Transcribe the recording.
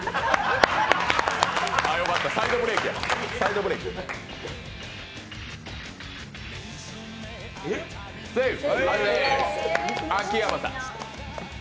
よかった、サイドブレーキやセーフ。